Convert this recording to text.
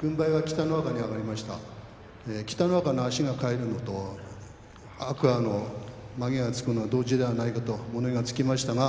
軍配は北の若に上がりましたが北の若の足が返るのと天空海のまげがつくのと同時ではないかと物言いがつきましたか